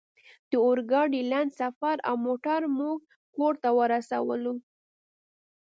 د اورګاډي لنډ سفر او موټر موږ کور ته ورسولو